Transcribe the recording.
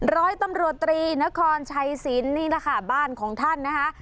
ร้อยตำรวจตรีนครชัยศิลป์นี่แหละค่ะบ้านของท่านนะคะ